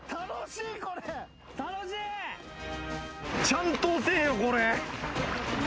ちゃんと遅えよこれ。